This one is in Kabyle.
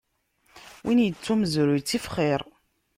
Win ittu umezruy, ttif xiṛ.